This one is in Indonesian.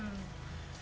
yang masih start up